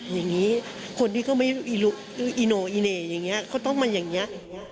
อย่างนี้คนที่ก็ไม่อิโนะอิเนะอย่างนี้เขาต้องมาอย่างนี้